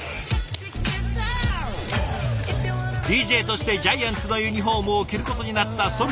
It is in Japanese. ＤＪとしてジャイアンツのユニフォームを着ることになったＳＯＵＬＪＡＨさん。